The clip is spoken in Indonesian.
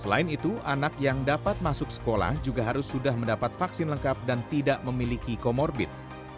selain itu anak yang dapat masuk sekolah juga harus sudah mendapat vaksin lengkap dan tidak memiliki komorbit